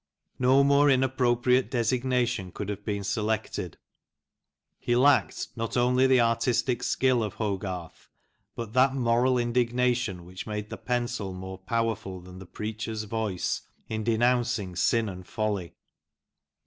No more inappropriate designation could have been selected He lacked not only the artistic skill of Hogarth, but that moral indignation which made the pencil more powerful than the preacher's voice in denouncing sin and folly.